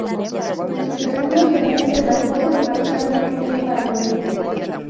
En su segundo semestre las cosas marcharon muy bien para Morelo.